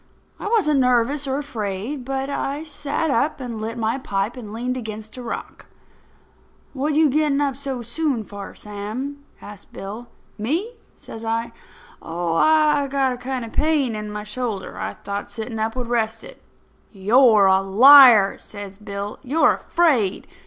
I wasn't nervous or afraid; but I sat up and lit my pipe and leaned against a rock. "What you getting up so soon for, Sam?" asked Bill. "Me?" says I. "Oh, I got a kind of a pain in my shoulder. I thought sitting up would rest it." "You're a liar!" says Bill. "You're afraid.